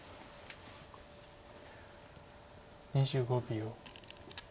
２５秒。